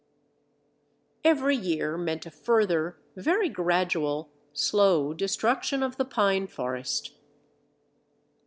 Every year meant a further very gradual, slow destruction of the pine forest.